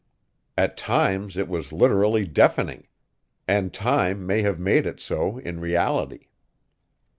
At times it was literally deafening; and time may have made it so in reality.